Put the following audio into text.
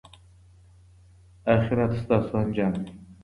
اخرت ستاسو انجام دی.